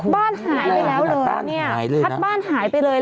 บ้านหายไปแล้วเลยพัดบ้านหายไปเลย